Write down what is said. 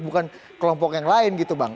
bukan kelompok yang lain gitu bang